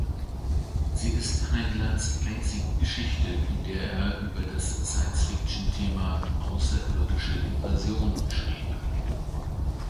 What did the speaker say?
Sie ist Heinleins einzige Geschichte, in der er über das Science-Fiction-Thema „außerirdische Invasionen“ schrieb.